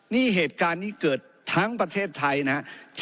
นี่เหตุการณ์นี้เกิดทั้งประเทศไทยนะครับ